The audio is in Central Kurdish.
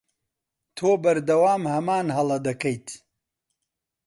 تۆ بەردەوام هەمان هەڵە دەکەیت.